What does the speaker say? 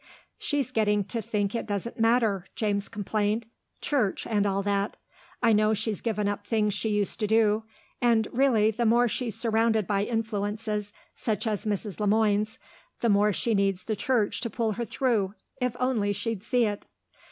"She's getting to think it doesn't matter," James complained; "Church, and all that. I know she's given up things she used to do. And really, the more she's surrounded by influences such as Mrs. Le Moine's, the more she needs the Church to pull her through, if only she'd see it.